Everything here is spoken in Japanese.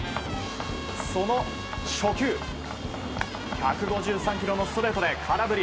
その初球、１５３キロのストレートで空振り。